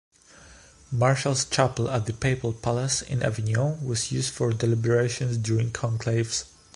Martial's chapel at the Papal palace in Avignon was used for deliberations during conclaves.